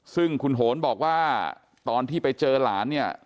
ซึ่งคุณโหนบอกว่าตอนที่ไปเจอหลานเนี่ย